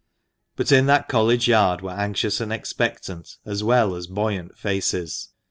But in that College Yard were anxious and expectant as well as buoyant faces.